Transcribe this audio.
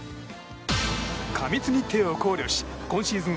過密日程を考慮し今シーズン